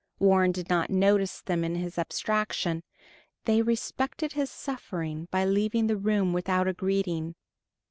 Warren did not notice them in his abstraction; they respected his suffering by leaving the room without a greeting.